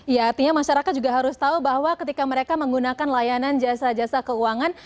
ya artinya masyarakat juga harus tahu bahwa ketika mereka menggunakan layanan jasa jasa keuangan